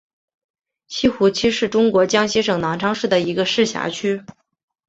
西湖区是中国江西省南昌市的一个市辖区。